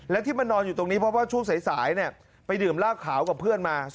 และที่มานอนอยู่ตรงนี้เพราะว่าช่วงสายไปดื่มเหล้าขาวกับเพื่อนมา